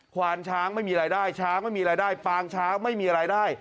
ควานช้างไม่มีรายได้ช้างไม่มีรายได้ปางช้างไม่มีรายได้